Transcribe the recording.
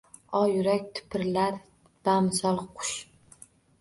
O, yurak tipirlar bamisoli qush!